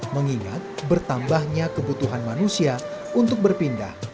mengingat bertambahnya kebutuhan manusia untuk berpindah